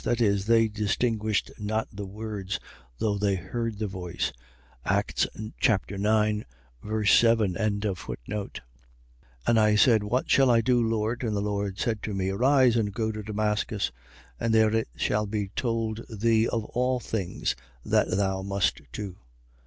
. .That is, they distinguished not the words; though they heard the voice. Acts 9. 7. 22:10. And I said: What shall I do, Lord? And the Lord said to me: Arise and go to Damascus; and there it shall be told thee of all things that thou must do.